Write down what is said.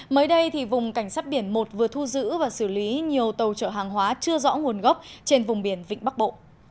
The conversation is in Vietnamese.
mới đây vùng cảnh sát biển một vừa thu giữ và xử lý nhiều tàu chở hàng hóa chưa rõ nguồn gốc trên vùng biển vịnh bắc bộ